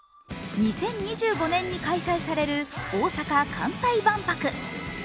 ２０２５年に開催される大阪・関西万博